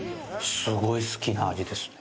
すごい好きな味ですね。